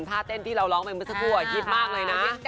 ท่าเต้นที่เราร้องไปเมื่อสักครู่ฮิตมากเลยนะ